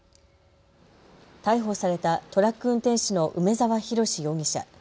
逮捕されたトラック運転手の梅澤洋容疑者。